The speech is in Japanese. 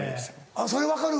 あっそれ分かる？